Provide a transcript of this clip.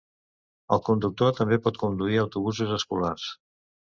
El conductor també pot conduir autobusos escolars.